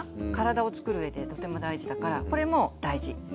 体をつくる上でとても大事だからこれも大事。